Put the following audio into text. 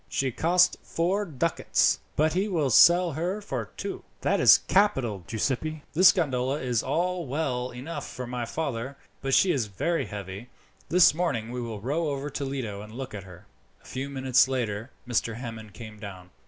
She cost four ducats, but he will sell her for two." "That is capital, Giuseppi. This gondola is all well enough for my father, but she is very heavy. This evening we will row over to Lido and look at her." A few minutes later Mr. Hammond came down.